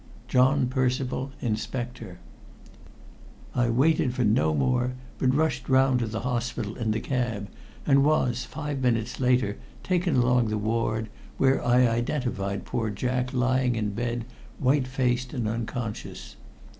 "JOHN PERCIVAL, Inspector." I waited for no more, but rushed round to the hospital in the cab, and was, five minutes later, taken along the ward, where I identified poor Jack lying in bed, white faced and unconscious.